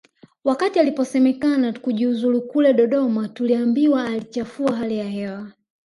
Wakati aliposemekana kujiuzulu kule Dodoma tuliambiwa aliichafua hali ya hewa